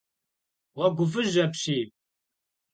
Ğueguf'ıjj apşiy!